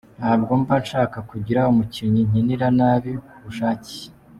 "Ntabwo mba nshaka kugira umukinnyi nkinira nabi ku bushake.